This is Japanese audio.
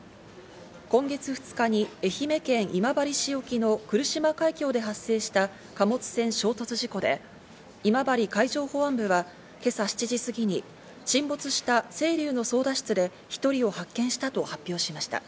今月２日に愛媛県今治市沖の来島海峡で発生した貨物船衝突事故で、今治海上保安部は今朝７時すぎに沈没した「せいりゅう」の操舵室で１人を発見したと発表しました。